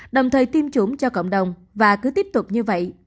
đồng thời tiêm chủng cho cộng đồng và cứ tiếp tục như vậy